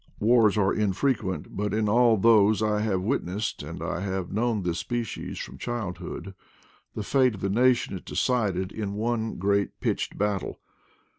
Wars are infrequent, but in all those I have witnessed — and I have known this species from childhood — the fate of the nation is decided in one great pitched battle.